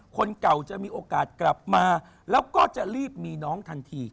คนเก่าจะมีโอกาสกลับมาแล้วก็จะรีบมีน้องทันที